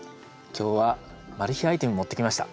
今日はマル秘アイテム持ってきました。